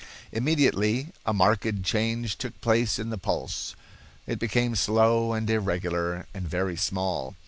Immediately a marked change took place in the pulse. It became slow and irregular, and very small.